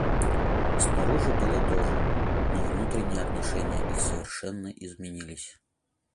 Снаружи было то же, но внутренние отношения их совершенно изменились.